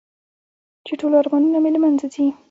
چې ټول ارمانونه مې له منځه ځي .